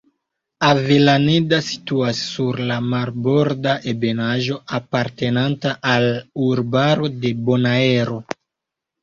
Avellaneda situas sur la marborda ebenaĵo apartenanta al urbaro de Bonaero.